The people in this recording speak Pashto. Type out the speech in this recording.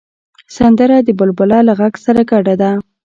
سندره د بلبله له غږ سره ګډه ده